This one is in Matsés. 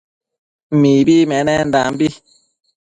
Mibi menendanbi